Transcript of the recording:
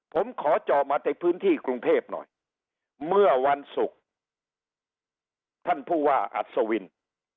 ผมขอจอมาในพื้นที่กรุงเทพหน่อยเมื่อวันศุกร์ท่านผู้ว่าอัศวิน